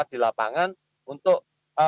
di lapangan untuk